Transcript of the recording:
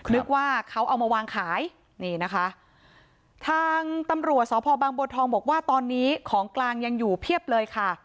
นึกว่าเขาเอามาวางขายนี่นะคะทางตำรวจสพบังบัวทองบอกว่าตอนนี้ของกลางยังอยู่เพียบเลยค่ะ